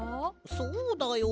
そうだよ